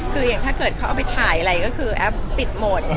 คืออย่างถ้าเกิดเขาเอาไปถ่ายอะไรก็คือแอปปิดหมด